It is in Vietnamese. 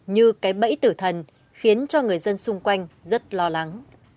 như cái bẫy tử thần khiến cho người dân xung quanh rất lo lắng